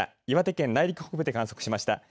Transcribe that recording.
岩手県内陸北部で観測しました。